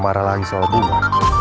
marah lagi soal bunga